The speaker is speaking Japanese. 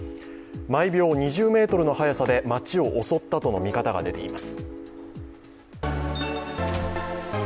毎秒２０メートルの早さで町を襲ったとの見方が出ています。